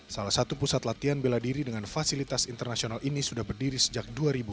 salah satu pusat latihan bela diri dengan fasilitas internasional ini sudah berdiri sejak dua ribu dua